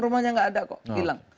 rumahnya nggak ada kok hilang